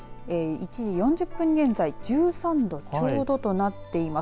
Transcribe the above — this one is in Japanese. １時４０分現在１３度ちょうどとなっています。